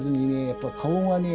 やっぱ顔がね